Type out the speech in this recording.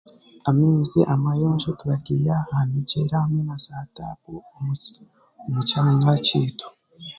Amaizi amayonjo turagiiya aha mugyera hamwe n'aza taapu omu kyangya kyaitu.